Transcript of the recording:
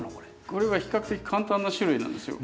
これは比較的簡単な種類なんですよ。